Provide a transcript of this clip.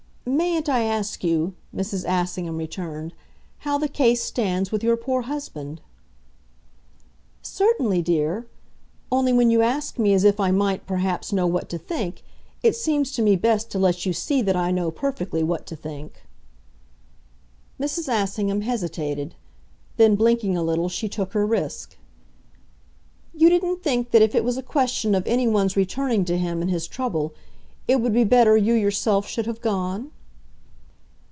"Mayn't I ask you," Mrs. Assingham returned, "how the case stands with your poor husband?" "Certainly, dear. Only, when you ask me as if I mightn't perhaps know what to think, it seems to me best to let you see that I know perfectly what to think." Mrs. Assingham hesitated; then, blinking a little, she took her risk. "You didn't think that if it was a question of anyone's returning to him, in his trouble, it would be better you yourself should have gone?"